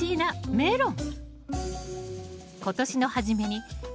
メロン！